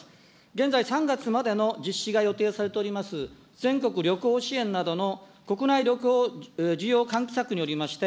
現在３月までの実施が予定されております、全国旅行支援などの国内旅行需要喚起策によりまして、